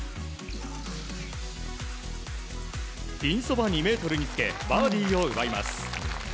ピンそば２ｍにつけバーディーを奪います。